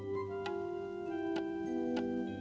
janganlah kau berguna